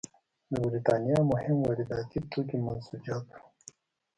د برېټانیا مهم وارداتي توکي منسوجات وو.